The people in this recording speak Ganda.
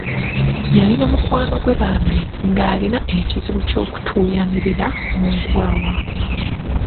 Yalina mukwano gwe bambi nga alina ekizibu ky'okutuuyanirira mu nkwawa.